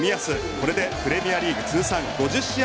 これでプレミアリーグ通算５０試合